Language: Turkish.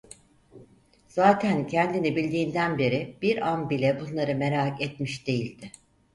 Zaten kendini bildiğinden beri bir an bile bunları merak etmiş değildi.